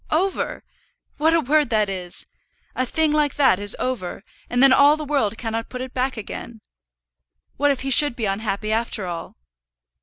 "Over! What a word that is! A thing like that is over, and then all the world cannot put it back again. What if he should be unhappy after all?"